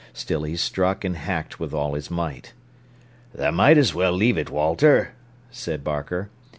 Still he struck and hacked with all his might. "Tha might as well leave it, Walter," said Barker.